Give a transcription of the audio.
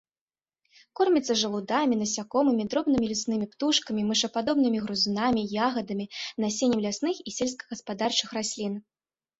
Корміцца жалудамі, насякомымі, дробнымі ляснымі птушкамі, мышападобнымі грызунамі, ягадамі, насеннем лясных і сельскагаспадарчых раслін.